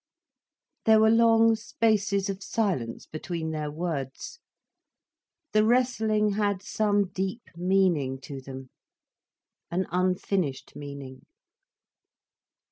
There were long spaces of silence between their words. The wrestling had some deep meaning to them—an unfinished meaning.